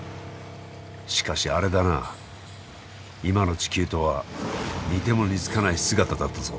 しかしあれだな今の地球とは似ても似つかない姿だったぞ。